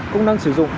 cung năng sử dụng